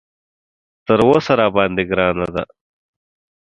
تر اوسه راباندې ګرانه ده.